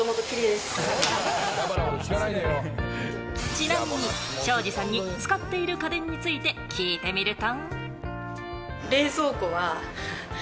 ちなみに庄司さんに使っている家電について聞いてみると。